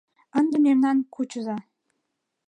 Ынде мемнам кучыза!